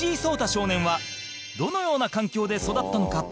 少年はどのような環境で育ったのか？